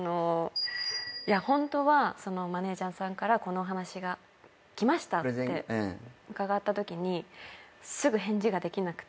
ホントはマネージャーさんからこのお話が来ましたって伺ったときにすぐ返事ができなくて。